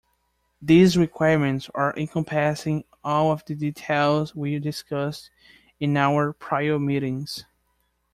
These requirements are encompassing all of the details we discussed in our prior meetings.